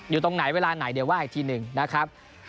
อยู่ตรงไหนเวลาไหนเดี๋ยวว่าอีกทีหนึ่งนะครับ